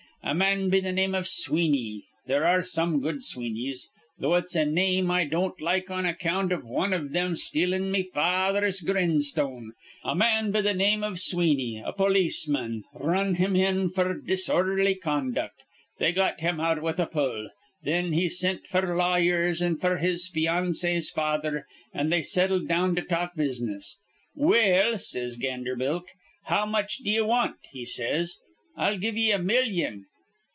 A man be th' name iv Sweeney, there are some good Sweeneys, though it's a name I don't like on account iv wan iv thim stealin' me fa ather's grin'stone, a man be th' name iv Sweeney, a polisman, r run him in f'r disordherly conduct. They got him out with a pull. Thin he sint f'r lawyers an' f'r his financee's father, an' they settled down to talk business. 'Well,' says Ganderbilk, 'how much d'ye want?' he says. 'I'll give ye a millyon.'